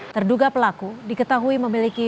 terduga pelaku diketahui memiliki